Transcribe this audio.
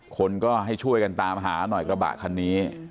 คนก็ให้ช่วยกันตามหาหน่อยกระบะคันนี้